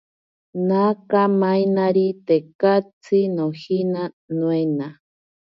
Naka mainari tekatsi nojina, noina.